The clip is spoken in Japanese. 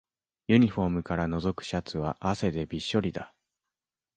ユニフォームからのぞくシャツは汗でびっしょりだ